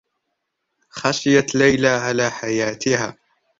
خشيت ليلى على حياتها.